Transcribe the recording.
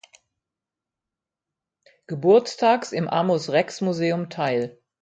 Geburtstags im Amos Rex Museum teil.